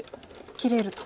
切れると。